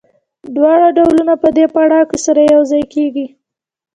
دواړه ډولونه په دې پړاو کې سره یوځای کېږي